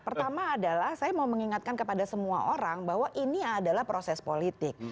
pertama adalah saya mau mengingatkan kepada semua orang bahwa ini adalah proses politik